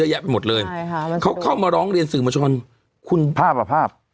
แยะไปหมดเลยใช่ค่ะเขาเข้ามาร้องเรียนสื่อมวลชนคุณภาพอ่ะภาพ